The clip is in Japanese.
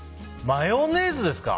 マヨネーズですか？